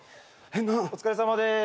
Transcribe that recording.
お疲れさまです。